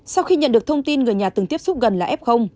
sau khi nhận được thông tin người nhà từng tiếp xúc gần là f